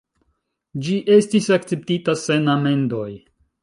Ĝi estis akceptita sen amendoj.